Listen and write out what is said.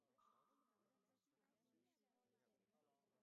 — Bu diyman, uka, gazetlaringga bizniyam yozsa bo‘lavu- radimi?